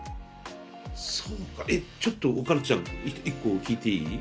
そうかえちょっとおかるちゃん１個聞いていい？